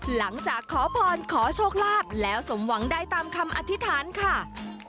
หลังจากขอพรขอโชคลาภแล้วสมหวังได้ตามคำอธิษฐานค่ะ